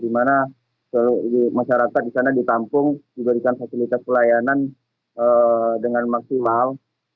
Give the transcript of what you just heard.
di mana seluruh masyarakat di sana ditampung diberikan fasilitas pelayanan dengan maksimal